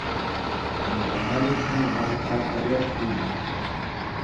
Нушана лекни вӑхӑтра тӗрев туйтӑр